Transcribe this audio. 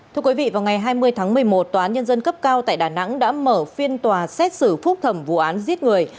thưa quý vị vào ngày hai mươi tháng một mươi một tòa án nhân dân cấp cao tại đà nẵng đã mở phiên tòa xét xử phúc thẩm vụ án giết người